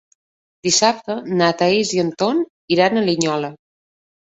Dissabte na Thaís i en Tom iran a Linyola.